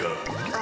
あ。